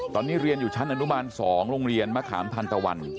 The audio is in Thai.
ตอนนี้เรียนอยู่ชั้นอนุบาล๒โรงเรียนมะขามทันตะวัน